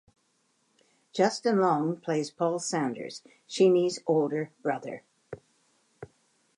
Justin Long plays Paul Saunders, Sheeni's older brother.